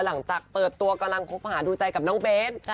หลังจากเปิดตัวกำลังคบหาดูใจกับน้องเบ้น